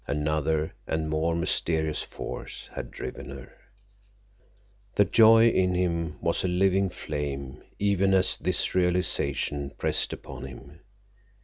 Another and more mysterious force had driven her. The joy in him was a living flame even as this realization pressed upon him.